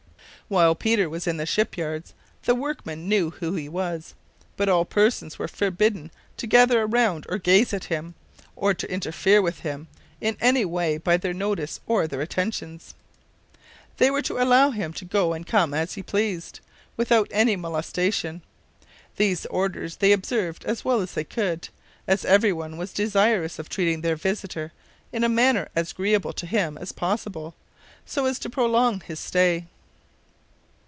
While Peter was in the ship yards the workmen knew who he was, but all persons were forbidden to gather around or gaze at him, or to interfere with him in any way by their notice or their attentions. They were to allow him to go and come as he pleased, without any molestation. These orders they obeyed as well as they could, as every one was desirous of treating their visitor in a manner as agreeable to him as possible, so as to prolong his stay.